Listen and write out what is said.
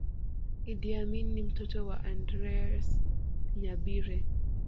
Idi Amin ni mtoto wa Andreas Nyabire